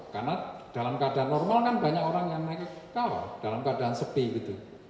karena dalam keadaan normal kan banyak orang yang naik ke kawah dalam keadaan sepi gitu